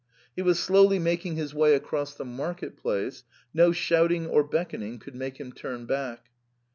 He was slowly making liis way across the market place, no shouting or beckon ing could make him turn back.